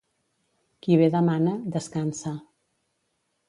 Qui bé demana, descansa.